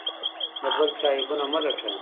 د بل چا عیبونه مه لټوه.